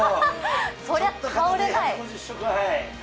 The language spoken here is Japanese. そりゃ倒れない。